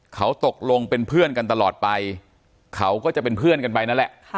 เขาตกลงเป็นเพื่อนกันตลอดไปเขาก็จะเป็นเพื่อนกันไปนั่นแหละ